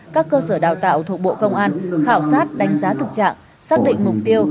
các cơ sở đào tạo thuộc bộ công an khảo sát đánh giá thực trạng xác định mục tiêu